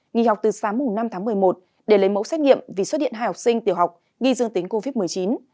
nghỉ học từ sáng năm tháng một mươi một để lấy mẫu xét nghiệm vì xuất hiện hai học sinh tiểu học nghi dương tính covid một mươi chín